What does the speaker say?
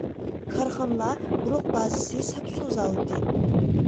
كارخانىلار ئۇرۇق بازىسى، ساپ سۇ زاۋۇتى.